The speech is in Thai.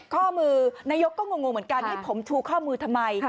ข้อมือนายกก็งงเหมือนกันให้ผมชูข้อมือทำไม